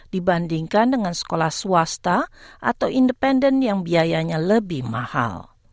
dibandingkan dengan sekolah swasta atau independen yang biayanya lebih mahal